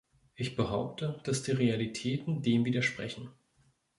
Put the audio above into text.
Ich behaupte, dass die Realitäten dem widersprechen.